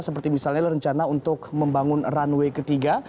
seperti misalnya rencana untuk membangun runway ketiga